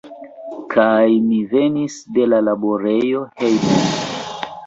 Kaj mi venis de la laborejo hejmen.